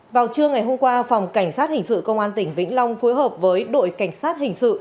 vào trưa ngày hôm qua phòng cảnh sát hình sự công an tỉnh vĩnh long phối hợp với đội cảnh sát hình sự